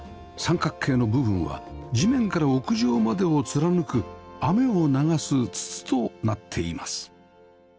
三角形の部分は地面から屋上までを貫く雨を流す筒となっています